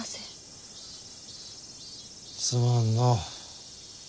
すまんの。